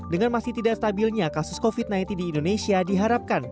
dengan masih tidak stabilnya kasus covid sembilan belas di indonesia diharapkan